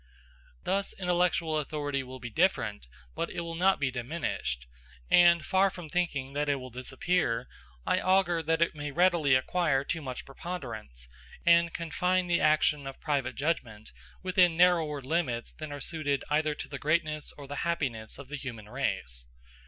Thus intellectual authority will be different, but it will not be diminished; and far from thinking that it will disappear, I augur that it may readily acquire too much preponderance, and confine the action of private judgment within narrower limits than are suited either to the greatness or the happiness of the human race.